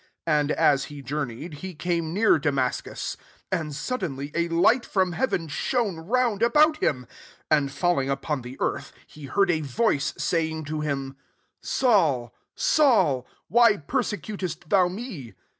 3 And, as he journeyed, he came near Da inascus : and suddenly a light from heaven shone round about him: 4 and£Eillmg upon the earthy he heard a voice saying to him, « Saul, Saul, why persecuteit thou me?"